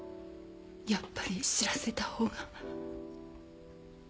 やっぱり知らせた方が。